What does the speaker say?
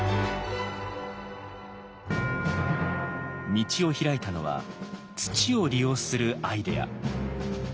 道を開いたのは土を利用するアイデア。